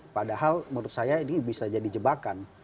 padahal menurut saya ini bisa jadi jebakan